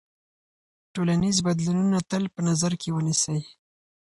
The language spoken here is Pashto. ټولنیز بدلونونه تل په نظر کې ونیسئ.